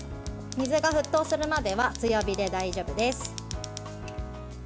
水が沸騰するまでは強火で大丈夫です。